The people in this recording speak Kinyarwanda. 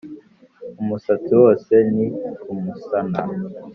Umusatsi wose ni umusana,